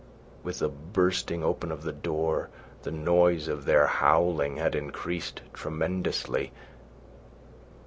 With the bursting open of the door, the noise of their howling had increased tremendously.